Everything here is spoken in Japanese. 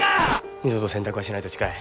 二度と洗濯はしないと誓え。